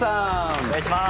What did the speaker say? お願いします。